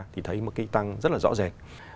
thì thấy một cái tăng rất là rõ ràng